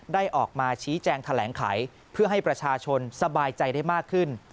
ได้ออกมาชี้แจงแถลงไขเพื่อให้ประชาชนสบายใจได้มากขึ้น